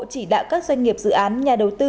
chỉ đạo các doanh nghiệp dự án nhà đầu tư